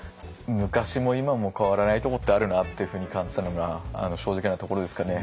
昔も今も変わらないとこってあるなっていうふうに感じたのが正直なところですかね。